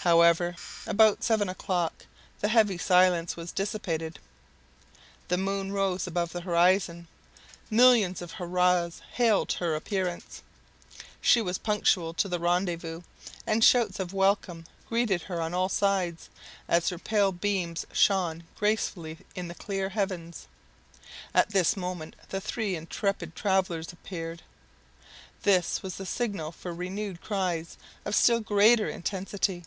However, about seven o'clock, the heavy silence was dissipated. The moon rose above the horizon. Millions of hurrahs hailed her appearance. She was punctual to the rendezvous, and shouts of welcome greeted her on all sides, as her pale beams shone gracefully in the clear heavens. At this moment the three intrepid travelers appeared. This was the signal for renewed cries of still greater intensity.